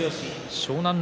湘南乃